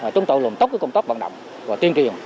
chúng tôi luôn tốt cái công tác bận động và tuyên truyền